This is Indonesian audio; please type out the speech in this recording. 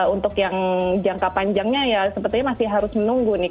untuk yang jangka panjangnya ya sepertinya masih harus menunggu nih